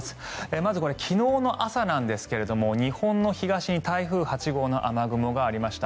まず、昨日の朝なんですが日本の東に台風８号の雨雲がありました。